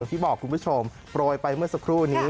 ที่บอกคุณผู้ชมโปรยไปเมื่อสักครู่นี้